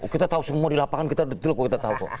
kita tahu semua di lapangan kita detail kok kita tahu kok